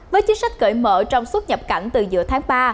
với chính sách cởi mở trong xuất nhập cảnh từ giữa tháng ba